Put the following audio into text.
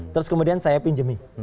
terus kemudian saya pinjemin